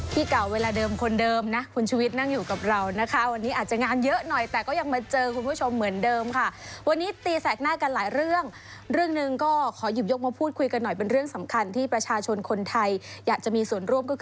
พระมิรุมาตรที่ท้องสนามหลวง